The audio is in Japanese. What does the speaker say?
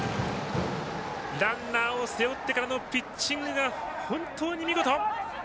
ランナーを背負ってからのピッチングが本当に見事。